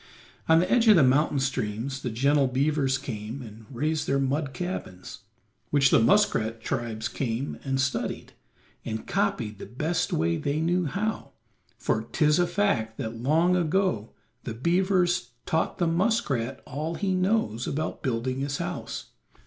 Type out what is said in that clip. On the edge of the mountain streams the gentle beavers came and raised their mud cabins, which the muskrat tribes came and studied and copied the best way they knew how, for 'tis a fact that long ago the beavers taught the muskrat all he knows about building his house.